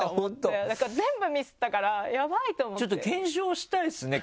だから全部ミスったからヤバいと思って。